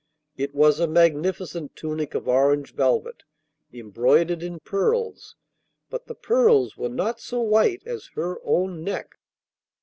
It was a magnificent tunic of orange velvet, embroidered in pearls, but the pearls were not so white as her own neck.